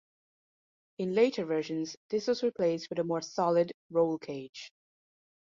In later versions this was replaced with a more solid roll cage.